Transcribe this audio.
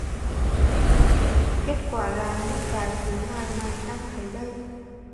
Kết quả là những cái thứ mà mày đang thấy đây